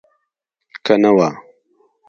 که نه وه.